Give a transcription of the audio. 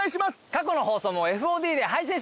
過去の放送もＦＯＤで配信してます。